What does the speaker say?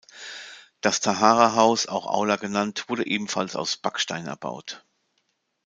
Das Taharahaus, auch Aula genannt, wurde ebenfalls aus Backstein erbaut.